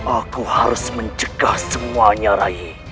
aku harus mencegah semuanya rayi